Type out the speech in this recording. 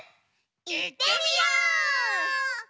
いってみよう！